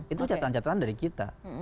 itu catatan catatan dari kita